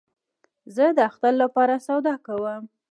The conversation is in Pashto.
زه د اختر له پاره سودا کوم